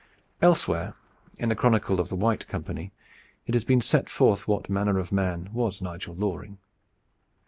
Elsewhere, in the chronicle of the White Company, it has been set forth what manner of man was Nigel Loring.